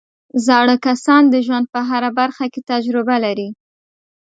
زاړه کسان د ژوند په هره برخه کې تجربه لري